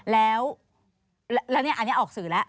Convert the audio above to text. แล้วอันนี้ออกสื่อแล้ว